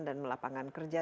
dan lapangan kerja